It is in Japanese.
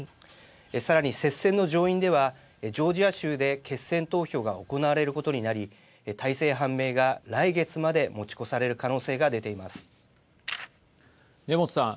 さらに接戦の上院ではジョージア州で決選投票が行われることになり大勢判明が来月まで持ち越される可能性が根本さん。